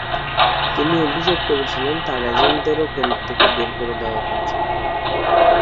তিনি অভিযোগ করেছিলেন, তাঁর এজেন্টদেরও কেন্দ্র থেকে বের করে দেওয়া হয়েছে।